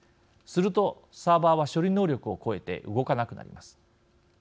すると、サーバーは処理能力を超えて動かなくなります。